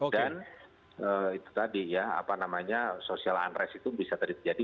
dan itu tadi ya apa namanya sosial unrest itu bisa terjadi